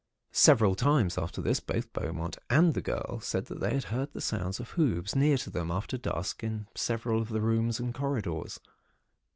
"Several times after this, both Beaumont and the girl said that they had heard the sounds of hoofs near to them, after dusk, in several of the rooms and corridors.